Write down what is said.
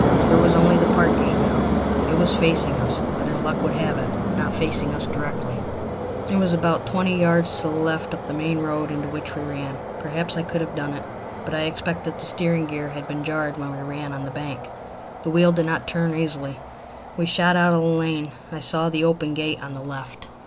There was only the park gate now. It was facing us, but, as luck would have it, not facing us directly. It was about twenty yards to the left up the main road into which we ran. Perhaps I could have done it, but I expect that the steering gear had been jarred when we ran on the bank. The wheel did not turn easily. We shot out of the lane. I saw the open gate on the left.